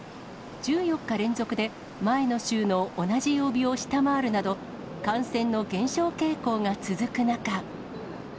１４日連続で、前の週の同じ曜日を下回るなど、感染の減少傾向が続く中。